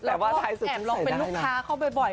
แอบลองเป็นลูกค้าเข้าบ่อย